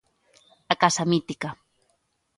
A casa mítica.